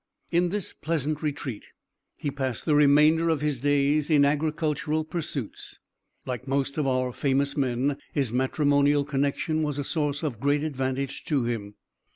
In this pleasant retreat he passed the remainder of his days in agricultural pursuits. Like most of our famous men, his matrimonial connection was a source of great advantage to him.